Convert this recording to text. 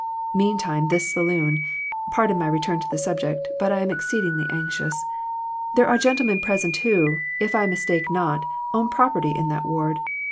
Meantime, this saloon pardon my return to the subject, but I am extremely anxious. There are gentlemen present who, if I mistake not, own property in that ward.